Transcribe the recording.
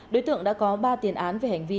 đối tượng đã có ba tiền án về hành vi